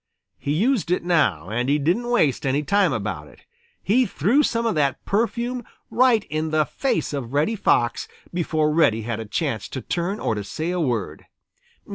He used it now, and he didn't waste any time about it. He threw some of that perfume right in the face of Reddy Fox before Reddy had a chance to turn or to say a word.